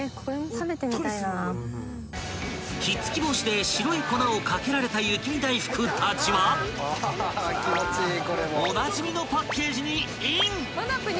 ［ひっつき防止で白い粉を掛けられた雪見だいふくたちはおなじみのパッケージにイン］